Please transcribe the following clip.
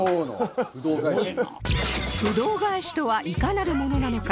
不動返しとはいかなるものなのか？